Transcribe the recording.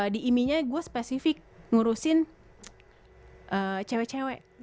di imi nya gue spesifik ngurusin cewek cewek